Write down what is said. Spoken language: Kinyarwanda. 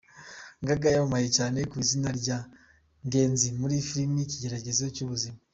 Gaga yamamaye cyane ku izina rya Ngenzi muri film ‘Ikigeragezo cy’Ubuzima’.